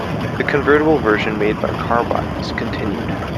The convertible version made by Carbodies continued.